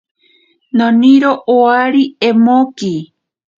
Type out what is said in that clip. Noniro owari emoki.